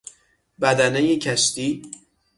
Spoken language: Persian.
بدنهی کشتی